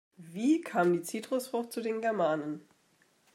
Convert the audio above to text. Wie kam die Zitrusfrucht zu den Germanen?